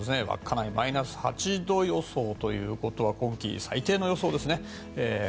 稚内マイナス８度予想というのは今季最低の予想ですね。